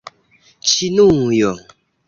Ĉinujo